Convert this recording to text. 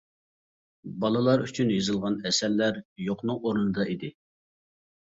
بالىلار ئۈچۈن يېزىلغان ئەسەرلەر يوقنىڭ ئورنىدا ئىدى.